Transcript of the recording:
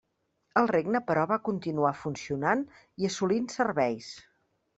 El regne però va continuar funcionant i assolint serveis.